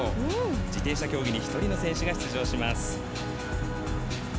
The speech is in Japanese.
自転車競技に１人の選手が出場します。